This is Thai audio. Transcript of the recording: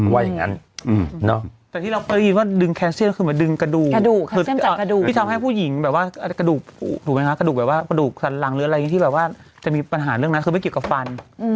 แต่ที่เราก็ได้ยินว่าดึงแคลเซียมคือดึงกระดูกที่ทำให้ผู้หญิงกระดูกสันหลังที่จะมีปัญหาเรื่องนั้นคือไม่เกี่ยวกับฟัน